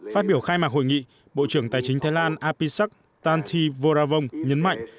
phát biểu khai mạc hội nghị bộ trưởng tài chính thái lan apisak tanti voravong nhấn mạnh